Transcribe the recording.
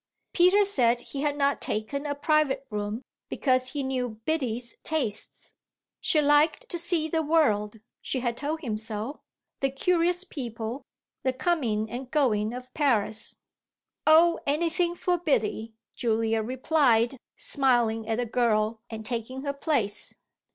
Peter said he had not taken a private room because he knew Biddy's tastes; she liked to see the world she had told him so the curious people, the coming and going of Paris. "Oh anything for Biddy!" Julia replied, smiling at the girl and taking her place.